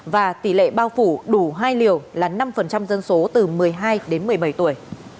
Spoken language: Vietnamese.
và tỷ lệ bao phủ đủ hai liều là năm dân số từ một mươi hai đến một mươi bảy tuổi